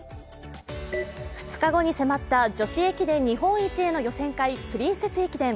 ２日後に迫った女子駅伝日本一への予選会プリンセス駅伝。